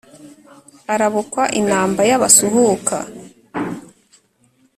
Arabukwa inamba y'abasuhuka